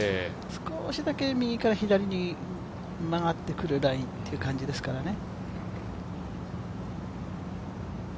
少しだけ、右から左に曲がってくるラインという感じですからね。